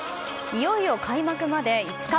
いよいよ開幕まで５日。